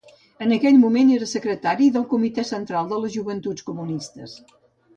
En aquell moment era Secretari del comitè central de les joventuts comunistes.